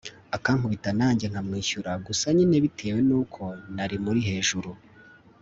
akankubita nanjye nkamwishyura gusa nyine bitewe nuko nari muri hejuru